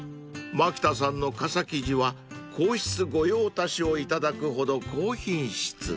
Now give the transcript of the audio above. ［槙田さんの傘生地は皇室御用達を頂くほど高品質］